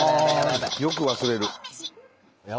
よく忘れる。